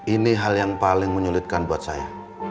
ini hal yang paling menyulitkan buat saya